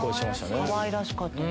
かわいらしかったね。